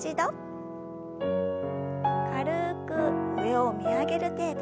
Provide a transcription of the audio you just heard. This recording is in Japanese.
軽く上を見上げる程度。